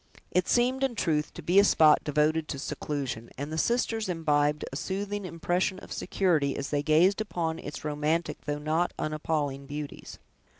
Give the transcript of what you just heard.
It seemed, in truth, to be a spot devoted to seclusion, and the sisters imbibed a soothing impression of security, as they gazed upon its romantic though not unappalling beauties.